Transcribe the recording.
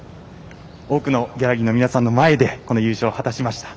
多くのギャラリーの皆さんの前で優勝を果たしました。